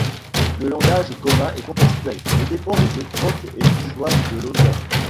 Le langage commun est contextuel et dépend des époques et du choix de l'auteur.